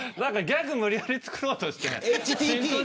ギャグ無理やり作ろうとしてるみたいな。